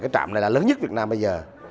trạm này là lớn nhất việt nam bây giờ